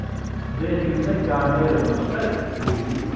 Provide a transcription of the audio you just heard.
"Then you think I made a mistake, do you?"